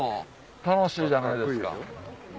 楽しいじゃないですか。